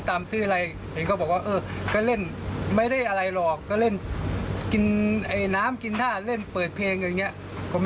แล้วได้เตือนได้ถามอย่างเขาหรือเปล่าครับ